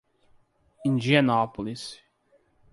Indianópolis